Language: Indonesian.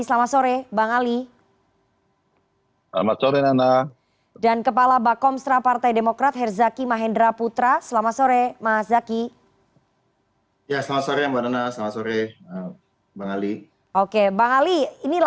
selamat sore bang ali